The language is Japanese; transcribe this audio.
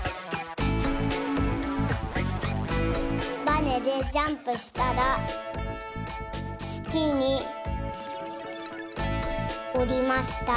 バネでジャンプしたらつきにおりました。